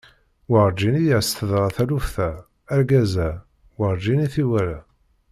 Werǧin i as-d-teḍra taluft-a, argaz-a werǧin i t-iwala!